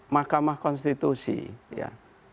mahkamah konstitusi ya